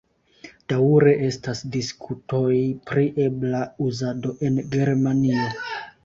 Daŭre estas diskutoj pri ebla uzado en Germanio.